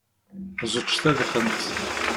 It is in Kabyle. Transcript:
Ẓečč tadxent!